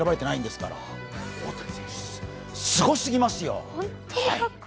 すごすぎますよ。